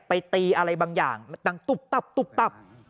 ตีอะไรบางอย่างดังตุ๊บตับตุ๊บตับ